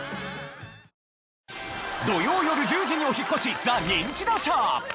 土曜よる１０時にお引っ越し『ザ・ニンチドショー』。